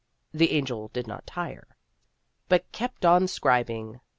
The Angel did not tire But kept on scribing.